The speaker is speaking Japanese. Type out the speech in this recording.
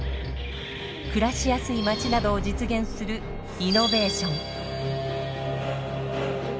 暮らしやすい街などを実現するイノベーション。